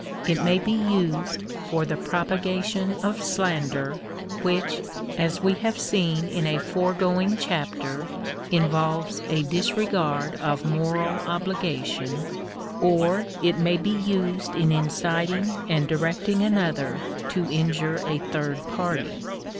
It may be used for the propagation of slander, which, as we have seen in a foregoing chapter, involves a dis regard of moral obligation ; or it may be used in inciting and directing another to injure a third party.